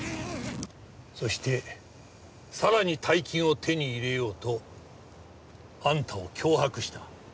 そしてさらに大金を手に入れようとあんたを脅迫した。